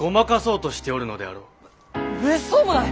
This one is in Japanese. めっそうもない！